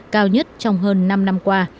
cao nhất trong hơn năm năm qua